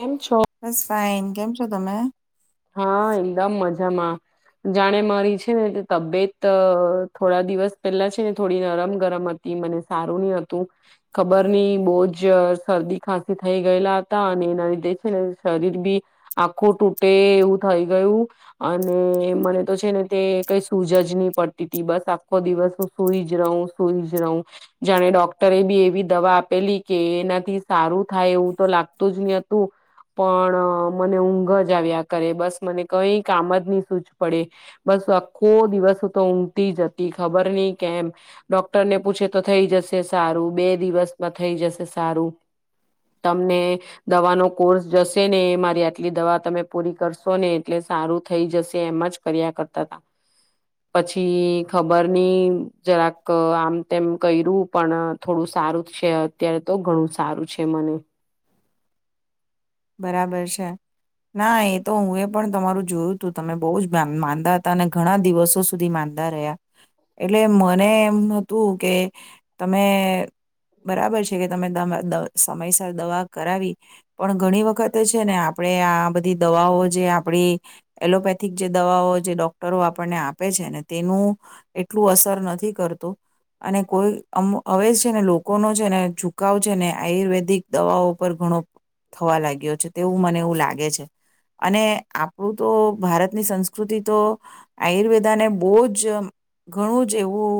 કેમ છો? બસ ફાઈન કેમ છો તમે? હા એકદમ મજામાં જાણે મારી છે ને તબિયત થોડા દિવસ પહેલા છે ને થોડી નરમ ગરમ હતી મને સારું નહ હતું ખબર નહ બહુજ શરદી ખાંસી થઈ ગયેલા હતા અને અને તે છે ને શરીર બી આખું તૂટે એવું થઈ ગયું અને મને તો છે ને તે કઈ સૂજ જ નહી પડતી તી બસ આખો દિવસ હ સુઈ જ રહું સુઈ જ રહું જાણે ડોક્ટરે બી એવી દવા આપેલી કે એનાથી સારું થાય એવું તો લાગતું જ ની પણ મને ઊંઘ જ આવ્યા કરે બસ મને કઈ કામ જ નહી સૂજ પડે. બસ આખો દિવસ તો ઊંઘતી જ હતી ખબર નઈ કેમ ડોક્ટરને પૂછે તો થઈ જશે સારું બે દિવસમાં થઈ જશે સારું. તમને દવાનો કોર્સ જશે ને મારી આટલી દવા તમે પૂરી કરશો ને એટલે સારું થઈ જશે એમ જ કર્યા કરતા હતા. પછી ખબર નહી જરાક આમ તેમ કર્યું પણ થોડું સારું છે અત્યારે તો ઘણું સારું છે મને. બરાબર છે ના એ તો હું એ પણ તમારું જોયું હતું તમે બહુ જ માંદા હતા અને ઘણા દિવસો સુધી માંદા રહ્યા એટલે મને એમ હતું કે તમે બરાબર છે કે તમે દમ દ સમયસર દવા કરાવી પણ ઘણી વખતે છે ને આપણે આ બધી દવાઓ જે આપણી એલોપેથિક જે દવાઓ જે ડોક્ટરો આપણને આપે છે ને તેનું એટલું અસર નથી કરતું અને કોઈ અમ હવે છે ને લોકોનો છે ને ઝુકાવ છે ને આયુર્વેદિક દવાઓ પર ઘણો થવા લાગ્યો છે તેવું મને એવું લાગે છે અને આપણું તો ભારતની સંસ્કૃતિ તો આયુર્વેદાને બહુ જ ઘણું જ એવું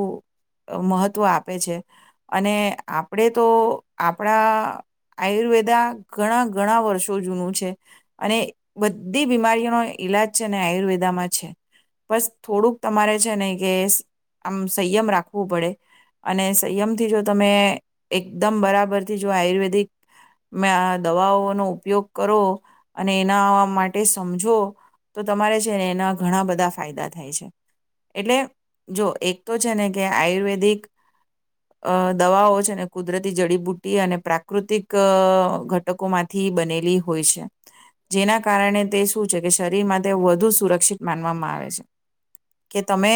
મહત્વ આપે છે અને આપણે તો આપણા આયુર્વેદા ઘણા ઘણા વર્ષો જૂનું છે અને બધી બીમારીઓનો ઈલાજ છે ને આયુર્વેદામાં છે બસ થોડુંક તમારે છે ને કે આમ સંયમ રાખવું પડે અને સંયમથી જો તમે એકદમ બરાબરથી જો આયુર્વેદિક મા દવાઓનો ઉપયોગ કરો અને એનાવા માટે સમજો તો તમારે છે ને એના ઘણા બધા ફાયદા થાય છે એટલે જો એક તો છે ને કે આયુર્વેદિક દવાઓ છે ને કુદરતી જડીબુટી અને પ્રાકૃતિક ઘટ ટકો માથી બનેલી હોય છે જેના કારણે તે શું છે કે શરીરમાં તે વધુ સુરક્ષિત માનવામાં આવે છે કે તમે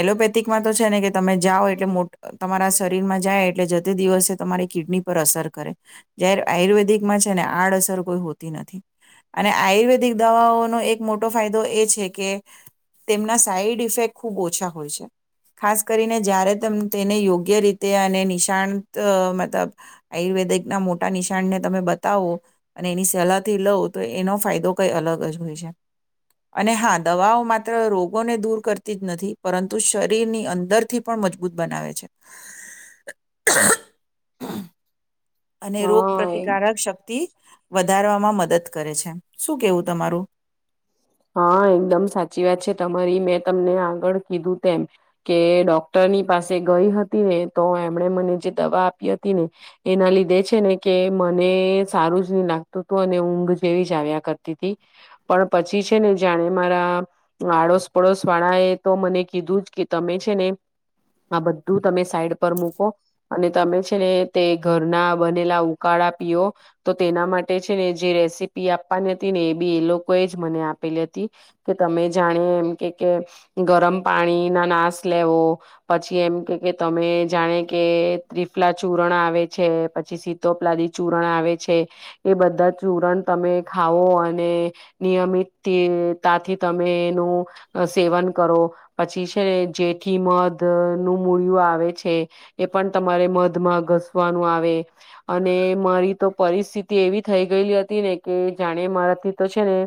એલોપેથિકમાં તો છે ને કે તમે જાઓ એટલે મોટ તમારા શરીરમાં જાય એટલે જતે દિવસે તમારી કિડની પર અસર કરે ત્યારે આયુર્વેદ ઘડીકમાં છે ને આડઅસર કોઈ હોતી નથી અને આયુર્વેદિક દવાઓનો એક મોટો ફાયદો એ છે કે તેમના સાઈડ ઇફેક્ટ ખૂબ ઓછા હોય છે ખાસ કરીને જયારે તેમ તેને યોગ્ય રીતે અને નિશાાનત મતલબ આયુર્વેદિક ના મોટા નિશાાનને તમે બતાવો અને એની સલાહથી લવ તો એનો ફાયદો કઈ અલગ જ હોય છે અને હા દવાઓ માત્ર રોગોને દૂર કરતી જ નથી પરંતુ શરીરની અંદરથી પણ મજબૂત બનાવે છે. અને રોગ હા એ પ્રતિકારક શક્તિ વધ વધારવામાં મદદ કરે છે શું કેવું તમારું હા એકદમ સાચી વાત છે તમારી મેં તમને આગળ કીધું તેમ કે ડોક્ટરની પાસે ગઈ હતી ને તો એમણે મને જે દવા આપી હતી ને એના લીધે છે ને કે મને સારું જ નહી લાગતું હતું અને ઊંઘ જેવી જ આવ્યા કરતી હતી પણ પછી છે ને જાણે મારા આડોસ પડોશ વાળા એ તો મને કીધું જ કે તમે છે ને આ બધું તમે સાઈડ પર મૂકો અને તમે છે ને તે ઘરના બનેલા ઉકાળા પીઓ તો તેના માટે છે ને જે રેસીપી આપવાની હતી ને એ ભી એ લોકોએ જ મને આપેલી હતી કે તમે જાણે એમ કે કે ગરમ પાણી ના નાશ લેવો પછી એમ કે કે તમે જાણે કે ત્રિફલા ચૂરણ આવે છે પછી સીતોપલાદી ચૂરણ આવે છે એ બધા ચૂરણ તમે ખાવો અને નિયમિતતાથી તમે એનું સેવન કરો પછી છે ને જેથી મધ નું મૂળિું આવે છે એ પણ તમારે મધમાં ઘસવાનું આવે અને મારી તો પરિસ્થિતિ એવી થઈ ગયેલી હતી ને કે જાણે મારાથી તો છે ને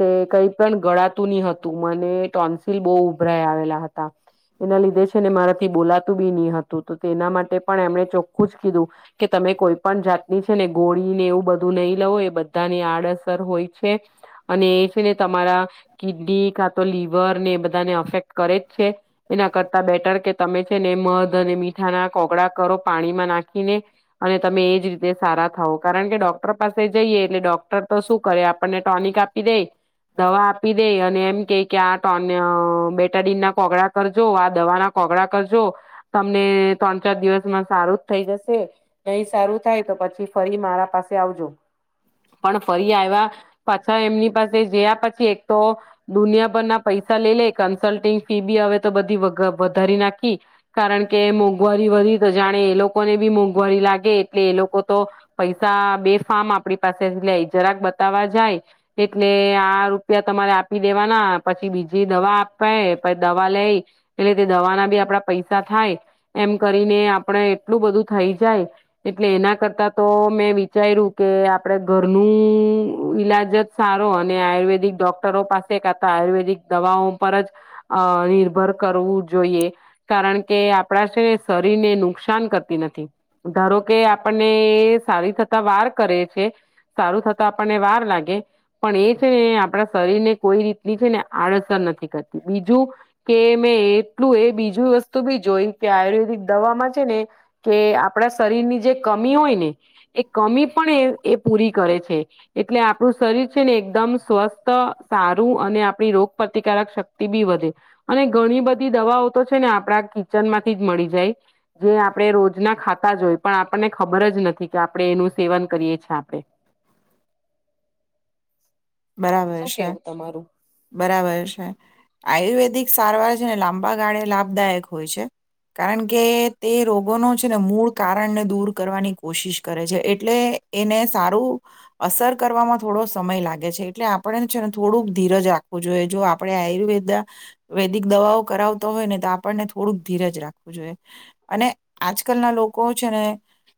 તે કઈ પણ ગળાતું ની હતું મને ટોન્સિલ બહુ ઉભરાય આવેલા હતા એના લીધે છે ને મારાથી બોલાતું બી ની હતું તો તેના માટે પણ એમણે ચોખ્ખું જ કીધું કે તમે કોઈ પણ જાતની છે ને ગોળીને એવું બધું નય લવો એ બધાની આડઅસર હોય છે. અને એ છેને તમારા કિડની કા તો લીવરને એ બધાને અફેક્ટ કરે જ છે એના કરતા બેટર કે તમે છે ને મધ અને મીઠાના કોગળા કરો પાણીમાં નાખીને અને તમે એ જ રીતે સારા થાવ કારણ કે ડોક્ટર પાસે જઈએ એટલે ડોક્ટર તો શું કરે આપણને ટોનિક આપ આપી દેય દવા આપી દેય અને એમ કેય કે આ ટન આ અ બેટાડીન ના કોગળા કરજો આ દવા ના કોગળા કરજો તમને ત્રણ ચાર દિવસમાં સારું જ થઈ જશે નહી સારું થાય તો પછી ફરી મારા પાસે આવજો પણ ફરી આવ્યા પાછા એમની પાસે જયા પછી એક તો દુનિયાભરના પૈસા લઈ લે કન્સલ્ટિંગ ફી બી હવે તો બધી વઘ વધારી નાખી કારણ કે મોંઘવારી વધી તો જાણે એ લોકોને બી મોંઘવારી લાગે એટલે એ લોકો તો પૈસા બે ફાર્મ આપડી પાસેથી લે જરાક બતાવવા જાય એટલે આ રૂપિયા તમારે આપી દેવાના પછી બીજી દવા આપાય પ દવા લઈ એટલે તે દવાના બી આપડા પૈસા થાય એમ કરીને આપણે એટલું બધું થઈ જાય એટલે એના કરતા તો મેં વિચાર્યું કે આપણેે ઘરનું ઈલાજ જ સારો અને આયુર્વેદિક ડોક્ટરો પાસે કરતા આયુર્વેદિક દવાઓ ઉપર જ અ નિર્ભર કરવું જોઈએ કારણ કે આપણા છે શરીરને નુકસાન કરતી નથી ધારોકે આપણને સારી થતા વાર કરે છે સારું થતા આપણને વાર લાગે પણ એ છે ને આપણા શરીરને કોઈ રીતની છે ને આડઅસર નથી કરતી બીજું કે મેં એટલું એ બીજું વસ્તુ બી જોય કે આયુર્વેદિક દવામાં છે ને કે આપડા શરીરની જે કમી હોય ને એ કમી પણ એ એ પૂરી કરે છે એટલે આપણું શરીર છે ને એકદમ સ્વસ્થ સારું અને આપણી રોગ પ્રતિકારક શક્તિ બી વધે અને ઘણી બધી દવાઓ તો છે ને આપડા કિચન માંથી જ મળી જાય જે આપણે રોજના ખાતા જ હોઈ પણ આપણને ખબર જ નથી કે આપણે એનું સેવન કરીએ છે આપણે બરાબર શું છે કેવું તમારું બરાબર છે આયુર્વેદિક સારવાર ને લાંબા ગાળે લાભદાયક હોય છે કારણ કે તે રોગોનો છે ને મૂળ કારણને દૂર કરવાની કોશિશ કરે છે એટલે એને સારું અસર કરવામાં થોડો સમય લાગે કરે છે એટલે આપણે છે ને થોડુંક ધીરજ રાખવું જોઈએ જો આપણે આયુર્વેદા વેદિક દવાઓ કરાવતા હોય ને તો આપણને થોડુંક ધીરજ રાખવું જોઈએ અને આજકાલના લોકો છે ને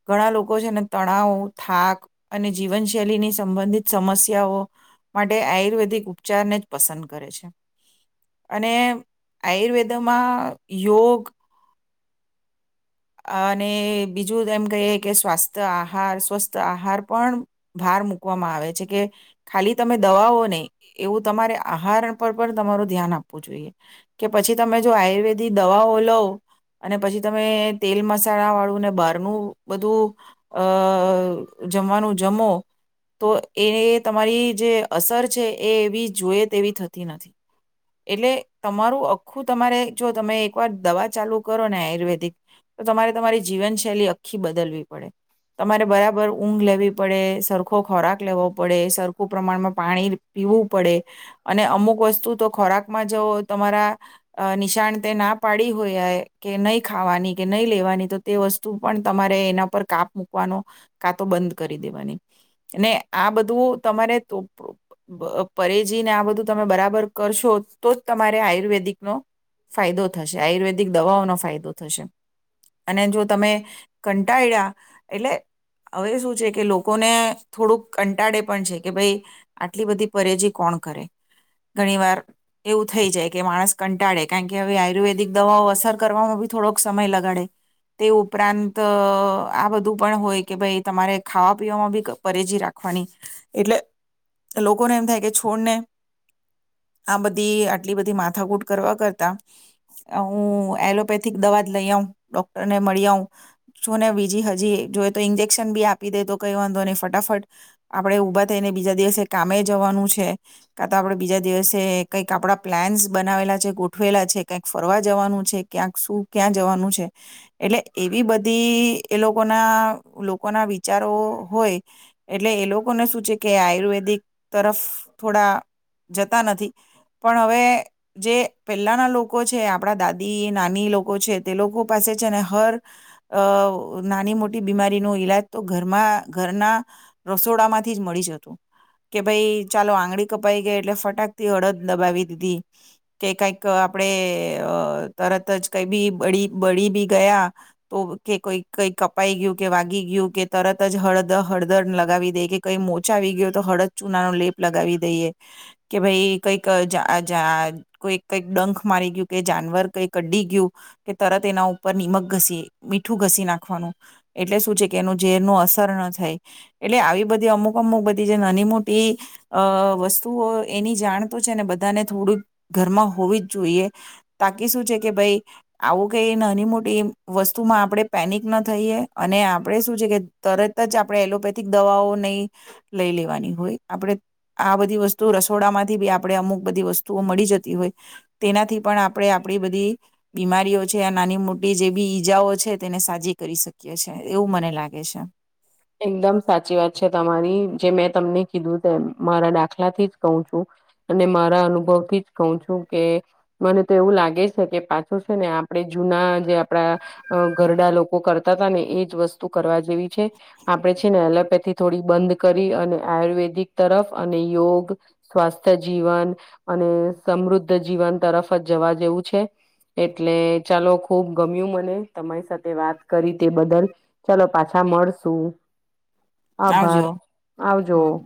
ઘણા લોકો છે ને તણાવ થાક અને જીવનશૈલીની સંબંધિત સમસ્યાઓ માટે આયુર્વેદિક ઉપચારને જ પસંદ કરે છે અને આયુર્વેદમાં યોગ અને બીજું એમ કહીએ કે સ્વાસ્થ આહાર સ્વસ્થ આહાર પણ ભાર મૂકવામાં આવે છે કે ખાલી તમે દવાઓ નહી એવું તમારે આહાર પર પણ તમારું ધ્યાન આપવું જોઈએ કે પછી તમે જો આયુર્વેદિક દવાઓ લવ અને પછી તમે તેલ મસાલા વાળું ને બહારનું બધું અ જમવાનું જમો તો એ તમારી જે અસર છે એ એવી જોએ તેવી થતી નથી એટલે તમારું અખું તમારે જો તમે એકવાર દવા ચાલુ કરો ને આયુર્વેદિક તમારે તમારી જીવનશૈલી આખી બદલવી પડે તમારે બરાબર ઊંઘ લેવી પડે સરખો ખોરાક લેવો પડે સરખું પ્રમાણમાં પાણી પીવું પડે અને અમુક વસ્તુ તો ખોરાકમાં જો તમારા નિશાનત તે ના પાડી હોય કે નહીં ખાવાની કે નહીં લેવાની તો તે વસ્તુ પણ તમારે એના પર કાપ મૂકવાનો કાં તો બંધ કરી દેવાની ને આ બધું તમારે પરેજીને આ બધું તમે બરાબર કરશો તો જ તમારે આયુર્વેદિકનોો ફાયદો થશે આયુર્વેદિક દવાઓનો ફાયદો થશે અને જો તમે કંટાળ્યા એટલે હવે શું છે કે લોકોને થોડુંક કંટાળે પણ છે કે ભય આટલી બધી પરેજી કોણ કરે ઘણી વાર એવું થઈ જાય કે માણસ કંટાળે કારણ કે હવે આયુર્વેદિક દવાઓ અસર કરવામાં ભી થોડોક સમય લગાડે તે ઉપરાંત આ બધું પણ હોય કે ભાઈ તમારે ખાવા પીવામાં બી પરેજી રાખવાની એટલે લોકોને એમ થાય કે છોડને આ બધી આટલી બધી માથાકૂટ કરવા કરતા હું એલોપેથિક દવા લઈ આવ ડોક્ટર ને મળી આવ છું ને બીજી હજી જોએ તો ઈન્જેક્શન ભી આપી દે તો કઈ વાંધો નને ફટાફટ આપડણે ઉભા થઈને બીજા દિવસે કામે જવાનું છે કા તો આપણેે બીજા દિવસે કઈક આપડા પ્લાન્સ બનાવેલા છે ગોઠવેલા છે કઈક ફરવા જવાનું છે ક્યાંક શું ક્યાં જવાનું છે એટલે એવી બધી એ લોકોના લોકોના વિચારો હોય એટલે એ લોકોને શું છે કે આયુર્વેદિક તરફ થોડા જતા નથી પણ હવે જે પહેલાના લોકો છે આપણા દાદી નાની લો છે તે લોકો પાસે છે ને હર અ નાની મોટી બીમારી નો ઈલાજ તો ઘરમાં ઘરના રસોડામાંથી જ મળી જતું કે ભાઈ ચાલો આંગળી કપાઈ ગઈ એટલે ફટાકથી હડદ દબાવી દીધી કે કંઈક આપણે અ તરત જ કઈ બી બળી બળી બી ગયા તો કે કોઈ કઈ કપાઈ ગયું કે વાગી ગયું કે તરત જ હળદ હળદર લગાવી દઈ કે કઈ મોચા આવી ગયું તો હળદ ચૂના નો લેપ લગાવી દઈએ કે ભાઈ કઈક જા જા કોઈ કઈક ડંખ મારી ગયું કે જાનવર કઈ કડી ગયું. કે તરત એના ઉપર નિમક ઘસી મીઠું ઘસી નાખવાનું એટલે શું છે કે એનું ઝેર ન અસર ન થાય એટલે આવી બધી અમુક અમુક બધી જે નાની મોટી અ વસ્તુઓ એની જાણ તો છે ને બધાને થોડુંક ઘરમાં હોવી જ જોઈએ તાકી શું છે કે ભાઈ આવું કેઈ નાની મોટી વસ્તુમાં આપણે પેનિક ન થઈએ અને આપણે શું છે કે તરત જ આપણે એલોપેથિક દવાઓ નહી લઈ લેવાની હોય આપણે આ બધી વસ્તુ રસોડામાંથી બી આપણે અમુક બધી વસ્તુઓ મળી જતી હોય તેનાથી પણ આપણે આપણી બધી બીમારીઓ છે આ નાની મોટી જે બી ઈજાઓ છે તેને સાજી કરી શકીએ છે એવું મને લાગે છે. એકદમ સાચી વાત છે તમારી જે મેં તમને કીધું તેમ મારા દાખલા થી જ કહ છું અને મારા અનુભવ થી જ કહ છું કે મને તો એવું લાગે છે કે પાછું છે ને આપણે જૂના જે આપડા ઘરડા લોકો કરતા હતા ને એજ વસ્તુ કરવા જેવી છે આપડણે છે ને એલોપેથી થોડી બંધ કરી અને આયુર્વેદિક તરફ અને યોગ સ્વાસ્થ્ય જીવન અને સમૃદ્ધ જીવન તરફ જ જવા જેવું છે એટલે ચાલો ખુબ ગમ્યું મને તમારી સાથે વાત કરી તે બદલ ચાલો પાછા મળશું આભાર આવજો આવજો હમ